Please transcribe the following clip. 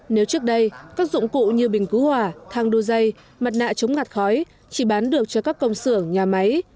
nếu trước đây các dụng cụ như bình cứu hỏa thang đua dây mặt nạ chống ngặt khói chỉ bán được cho các công xưởng nhà máy